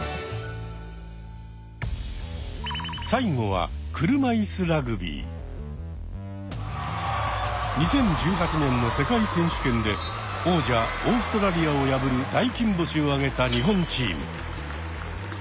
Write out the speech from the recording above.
最後は２０１８年の世界選手権で王者オーストラリアを破る大金星を挙げた日本チーム。